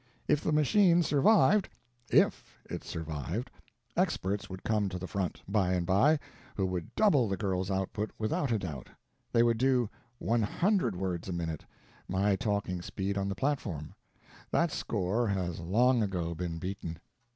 If the machine survived if it survived experts would come to the front, by and by, who would double the girl's output without a doubt. They would do one hundred words a minute my talking speed on the platform. That score has long ago been beaten.